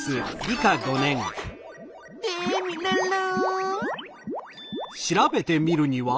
テミルンルン！